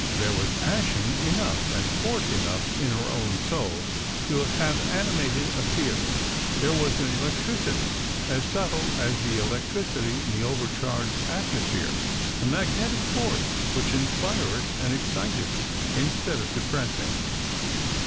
There was jjassion enough and force enough in her own soul to have animated a theatre ; there was an electricity as subtle as the electricity in the overcharged atmosphere, a magnetic force which inspired and excited, instead of depressing.